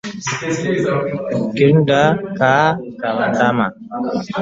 Kuvimba kwa bandama